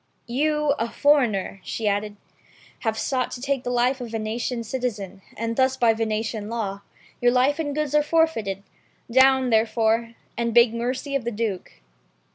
"You, a foreigner," she added, "have sought to take the life of a Venetian citizen, and thus by the Venetian law, your life and goods are forfeited. Down, therefore, and beg mercy of the Duke."